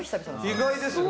意外ですね。